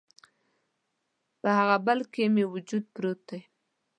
په هغه بل کي مې وجود پروت دی